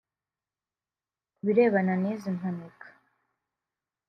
Ku birebana n’izi mpanuka